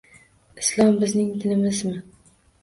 Islom bizning dinimizmi?